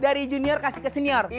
dari junior kasih ke senior